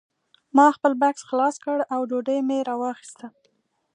ما خپل بکس خلاص کړ او ډوډۍ مې راواخیسته